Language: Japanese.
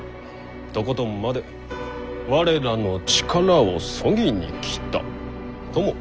とことんまで我らの力をそぎに来たとも言えますな。